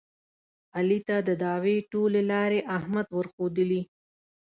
علي ته د دعوې ټولې لارې احمد ورښودلې.